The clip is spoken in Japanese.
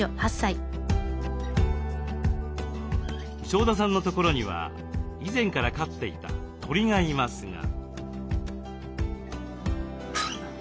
庄田さんのところには以前から飼っていた鳥がいますが。